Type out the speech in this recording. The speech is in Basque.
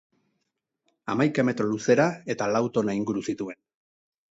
Hamaika metro luzera eta lau tona inguru zituen.